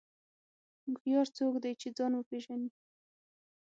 هوښیار څوک دی چې ځان وپېژني.